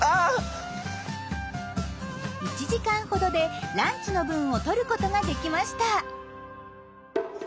１時間ほどでランチの分を取ることができました。